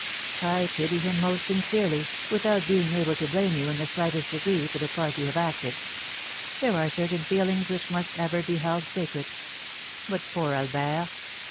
"I pity him most sincerely, without being able to blame you in the slightest degree for the part you have acted. There are certain feelings which must ever be held sacred. But poor Albert!